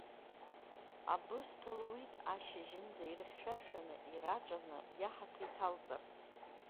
Абысҭа луит, ашьыжьынӡа ирхьшәашәаны, ираҵәаны иаҳаҭа иҭалҵарц.